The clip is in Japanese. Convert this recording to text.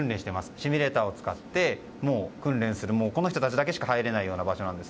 シミュレーターを使って訓練する人たちしか入れないような場所なんです。